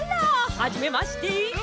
はじめまして。